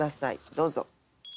どうぞ。